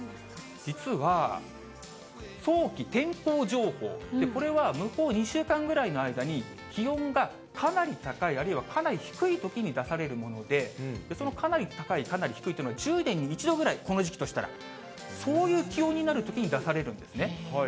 実は、早期天候情報、これは向こう２週間ぐらいの間に、気温がかなり高い、あるいはかなり低いときに出されるもので、そのかなり高い、かなり低いというのは１０年に１度ぐらい、この時期としたら。そういう気温になるときに、出されるんですね。